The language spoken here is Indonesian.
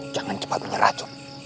jangan cepat banyak racun